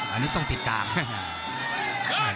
อันนี้ต้องติดตาม